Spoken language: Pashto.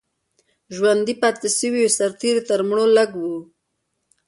ژوندي پاتې سوي سرتیري تر مړو لږ وو.